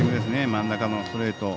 真ん中のストレート。